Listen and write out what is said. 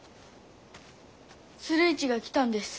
鶴市が来たんです。